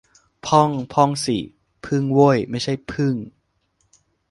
พ่อง - พ่องสิ เพิ่งเว้ย ไม่ใช่พึ่ง